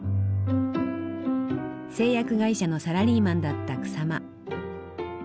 製薬会社のサラリーマンだった草間。